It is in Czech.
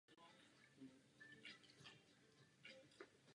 Lisabon není mrtev.